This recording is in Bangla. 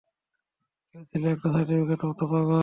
ও ছিল একটা সার্টিফিকেটপ্রাপ্ত পাগল।